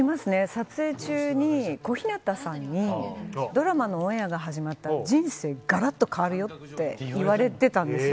撮影中に小日向さんにドラマのオンエアが始まったら人生ガラッと変わるよって言われていたんです。